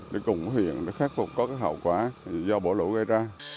để cùng huyện để khắc phục các hậu quả do bổ lũ gây ra